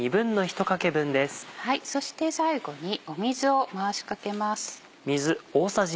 そして最後に水を回しかけます。